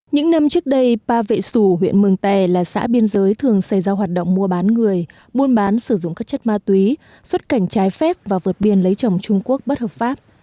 những năm trước đây ba vệ sủ huyện mường tè là xã biên giới thường xây ra hoạt động mua bán người buôn bán sử dụng các chất ma túy xuất cảnh trái phép và vượt biên lấy chồng trung quốc bất hợp pháp